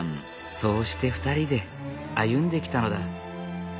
そうして２人で歩んできたのだ。